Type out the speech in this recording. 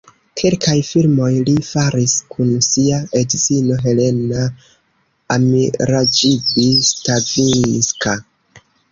Kelkaj filmoj li faris kun sia edzino Helena Amiraĝibi-Stavinska.